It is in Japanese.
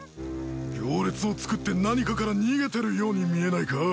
行列をつくって何かから逃げてるように見えないか？